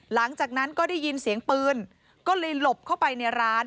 หลังจากนั้นก็ได้ยินเสียงปืนก็เลยหลบเข้าไปในร้าน